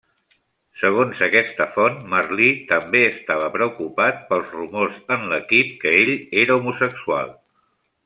Segons aquesta font, Merli també estava preocupat pels rumors en l'equip que ell era homosexual.